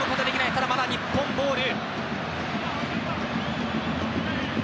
ただ、まだ日本ボール。